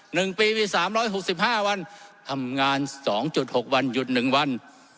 หนึ่งปีมีสามร้อยหกสิบห้าวันทำงานสองจุดหกวันหยุดหนึ่งวัน